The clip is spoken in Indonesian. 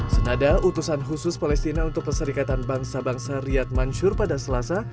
senada utusan khusus palestina untuk perserikatan bangsa bangsa riyad mansyur pada selasa